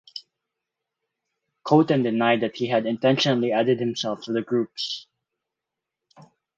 Koten denied that he had intentionally added himself to the groups.